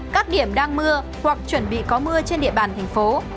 các điểm đang mưa hoặc chuẩn bị có mưa trên địa bàn thành phố